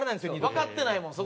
わかってないもん